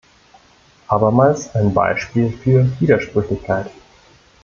Abermals ein Beispiel für Widersprüchlichkeit.